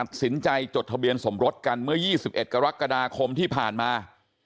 ตัดสินใจจดทะเบียนสมรสกันเมื่อ๒๑กรกฎาคมที่ผ่านมา